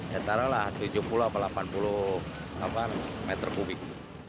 ya taruhlah tujuh puluh atau delapan puluh meter kubik